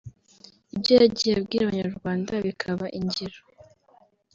ibyo yagiye abwira Abanyarwanda bikaba ingiro